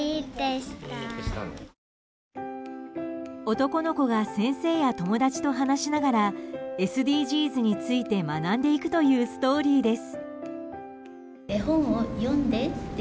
男の子が先生や友達と話しながらＳＤＧｓについて学んでいくというストーリーです。